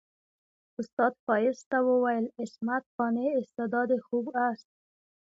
استاد فایز ته وویل عصمت قانع استعداد خوب است.